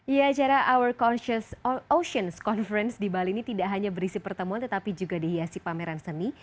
ya acara our consus oceans conference di bali ini tidak hanya berisi pertemuan tetapi juga dihiasi pameran seni